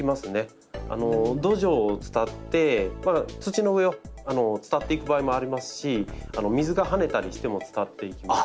土壌を伝って土の上を伝っていく場合もありますし水がはねたりしても伝っていきますし。